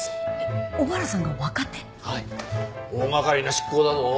大がかりな執行だぞ。